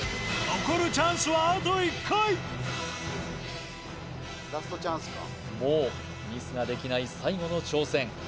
残るチャンスはあと１回もうミスができない最後の挑戦